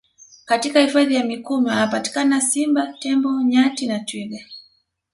Katika Hifadhi ya Mikumi wanapatikana Simba Tembo Nyati na Twiga